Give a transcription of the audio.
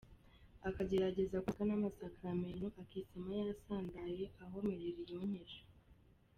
Akagerageza kuvanga amasaka n’amasakaramentu, akisama yasandaye, ahomerera iyonkeje.